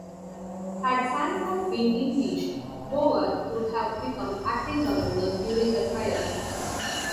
Had Sanford been impeached, Bauer would have become acting governor during the trial.